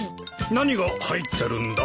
何が入ってるんだ？